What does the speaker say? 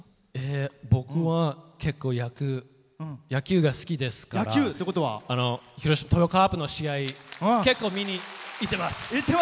僕は結構、野球が好きですからカープの試合、結構見てます。